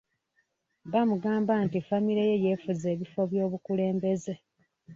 Bamugamba nti famire ye yeefuze ebifo by’obukulembeze.